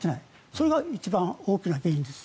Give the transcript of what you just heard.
それが一番大きな原因です。